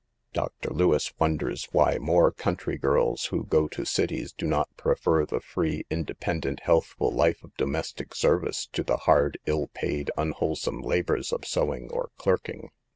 Dr. Lewis wonders why more country girls who go to cities, do not prefer the free, inde pendent, healthful life of domestic service, to the hard, ill paid, unwholesome labors of sew ing or clerking.